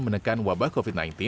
menekan wabah covid sembilan belas